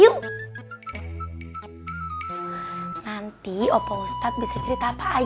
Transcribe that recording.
bukan kayak gc an slotet pokok dan an